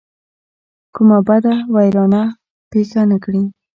کومه بده ویرانه پېښه نه کړي.